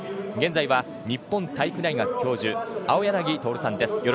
現在は日本体育大学教授青柳徹さんです。